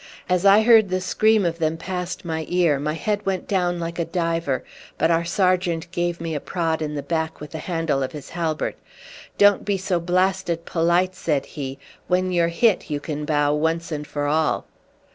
As I heard the scream of them past my ear my head went down like a diver, but our sergeant gave me a prod in the back with the handle of his halbert. "Don't be so blasted polite," said he; "when you're hit, you can bow once and for all."